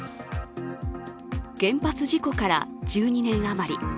原発事故から１２年余り。